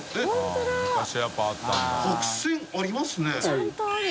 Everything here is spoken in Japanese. ちゃんとある。